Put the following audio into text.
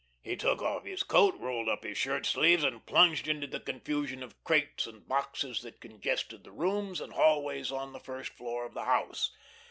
He took off his coat, rolled up his shirt sleeves, and plunged into the confusion of crates and boxes that congested the rooms and hallways on the first floor of the house.